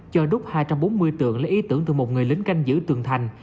cho đúc hai trăm bốn mươi tượng lấy ý tưởng từ một người lính canh giữ tường thành